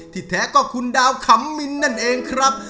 แท้ก็คุณดาวขำมินนั่นเองครับ